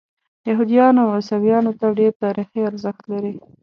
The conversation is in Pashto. یهودیانو او عیسویانو ته ډېر تاریخي ارزښت لري.